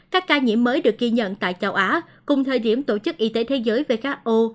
các ca nhiễm mới được ghi nhận tại châu á cùng thời điểm tổ chức y tế thế giới who